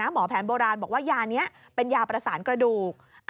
หมอแผนโบราณบอกว่ายานี้เป็นยาประสานกระดูก